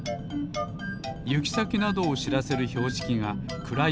ゆきさきなどをしらせるひょうしきがくらい